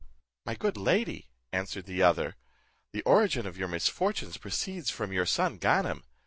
"My good lady," answered the other, "the origin of your misfortunes proceeds from your son Ganem.